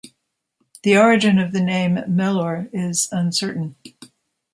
The origin of the name "Mellor" is uncertain.